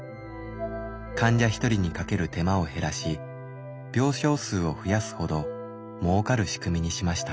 患者１人にかける手間を減らし病床数を増やすほどもうかる仕組みにしました。